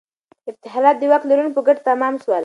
افتخارات د واک لرونکو په ګټه تمام سول.